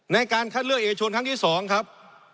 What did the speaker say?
ในการคัดเลือกเอกชนครั้งที่๒ครับ